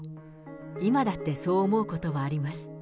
今だってそう思うことはあります。